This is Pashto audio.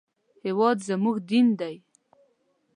هېواد زموږ دین دی